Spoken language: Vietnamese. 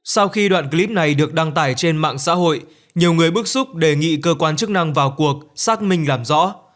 sau khi đoạn clip này được đăng tải trên mạng xã hội nhiều người bức xúc đề nghị cơ quan chức năng vào cuộc xác minh làm rõ